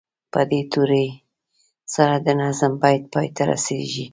په دې توري سره د نظم بیت پای ته رسیږي.